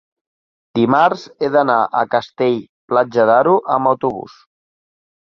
dimarts he d'anar a Castell-Platja d'Aro amb autobús.